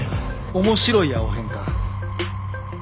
面白いやおへんか。